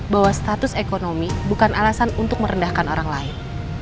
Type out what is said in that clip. bahwa status ekonomi bukan alasan untuk merendahkan orang lain